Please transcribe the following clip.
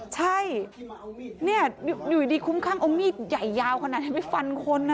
ใช่นี่อยู่ดีคุ้มข้างเอามีดใหญ่ยาวขนาดนี้ไปฟันคน